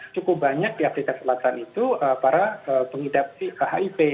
cukup banyak di afrika selatan itu para pengidap hiv